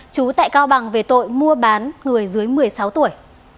chú tại cao bằng về tội mua bán người dưới một mươi sáu tuổi